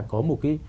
có một cái